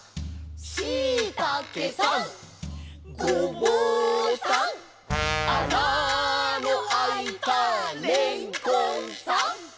「しいたけさんごぼうさん」「あなのあいたれんこんさん」